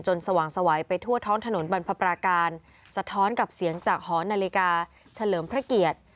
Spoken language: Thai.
สว่างสวัยไปทั่วท้องถนนบรรพปราการสะท้อนกับเสียงจากหอนาฬิกาเฉลิมพระเกียรติ